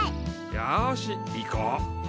よし行こう。